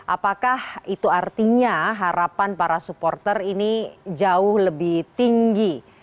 apakah itu artinya harapan para supporter ini jauh lebih tinggi